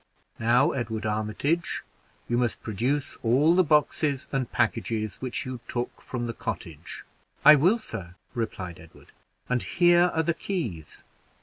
Now, Edward Armitage, you must produce all the boxes and packages which you took from the cottage." "I will, sir," replied Edward, "and here are the keys.